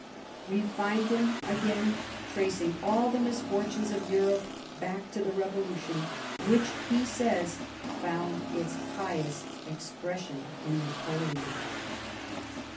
We find him acfain tracing all the misfortunes of Europe back to the Revolution, " which," he says, " found its highest expression in Napoleon."